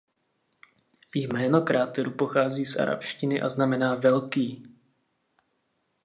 Jméno kráteru pochází z arabštiny a znamená „velký“.